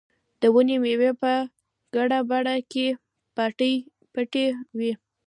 د ونې مېوې په ګڼه پاڼه کې پټې وې.